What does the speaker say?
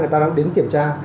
người ta đang đến kiểm tra